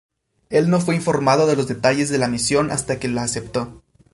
Él no fue informado de los detalles de la misión hasta que la aceptó.